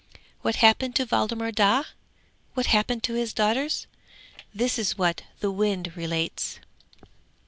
What happened to Waldemar Daa? What happened to his daughters? This is what the wind relates.